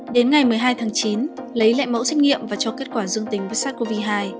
đến ngày một mươi hai tháng chín lấy lệ mẫu xét nghiệm và cho kết quả dương tính với sars cov hai